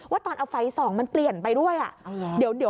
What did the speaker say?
ตอนเอาไฟส่องมันเปลี่ยนไปด้วย